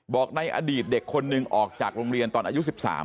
ในอดีตเด็กคนหนึ่งออกจากโรงเรียนตอนอายุ๑๓